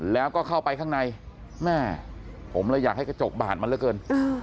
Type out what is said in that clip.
แล้วก็เข้าไปข้างในแม่ผมเลยอยากให้กระจกบาดมันเหลือเกิน